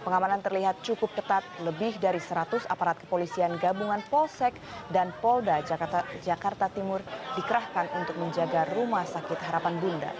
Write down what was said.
pengamanan terlihat cukup ketat lebih dari seratus aparat kepolisian gabungan polsek dan polda jakarta timur dikerahkan untuk menjaga rumah sakit harapan bunda